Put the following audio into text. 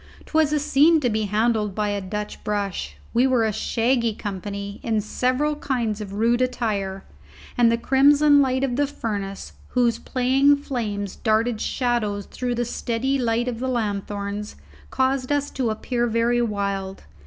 'Twas a scene to be handled by a Dutch brush. We were a shaggy company, in several kinds of rude attire, and the crimson light of the furnace, whose playing flames darted shadows through the steady light of the lanthorns, caused us to appear very wild.